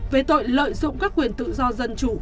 về tội lợi dụng các quyền tự do dân chủ